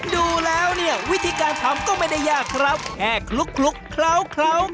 ดูแล้วเนี่ยวิธีการทำก็ไม่ได้ยากครับแค่คลุกเคล้า